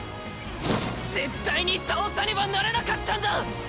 絶対に倒さねばならなかったんだ！